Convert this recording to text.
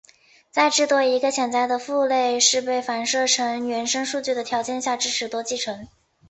在至多一个潜在的父类是被反射成原生数据的条件下支持多继承。